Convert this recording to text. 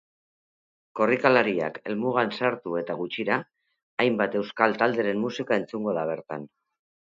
Korrikalariak helmugan sartu eta gutxira, hainbat euskal talderen musika entzungo da bertan.